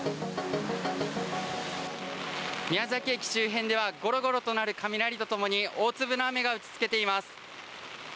宮崎駅周辺ではゴロゴロと鳴る雷とともに大粒の雨が打ちつけています。